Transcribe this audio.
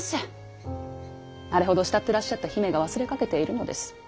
あれほど慕ってらっしゃった姫が忘れかけているのです。